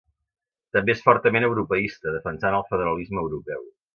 També és fortament europeista, defensant el federalisme europeu.